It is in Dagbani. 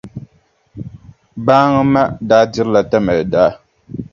Baaŋa ma daa dirila Tamali daa.